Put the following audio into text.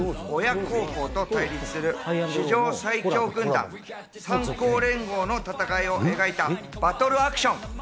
映画は凶悪な鬼邪高校と対立する史上最強軍団、三校連合の戦いを描いたバトルアクション。